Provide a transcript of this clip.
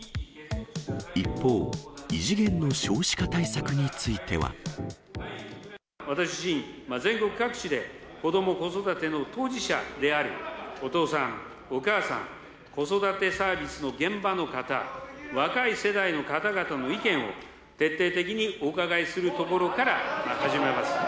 一方、私自身、全国各地で子ども・子育ての当事者である、お父さん、お母さん、子育てサービスの現場の方、若い世代の方々の意見を徹底的にお伺いするところから始めます。